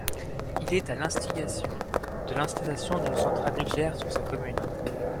Il est à l'instigation de l'installation d'une centrale nucléaire sur sa commune.